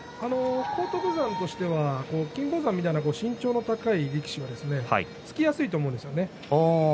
荒篤山としては金峰山のような身長の高い力士突きやすいと思うんですね。